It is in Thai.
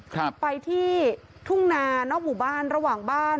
ครับไปที่ทุ่งนานอกหมู่บ้านระหว่างบ้าน